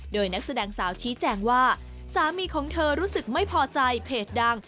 โดยนักแสดงสาวชี้แจงว่าสามีของเธอรู้สึกไม่พอใจเพจดัง